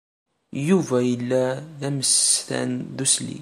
Yuba yella d amsestan d uslig.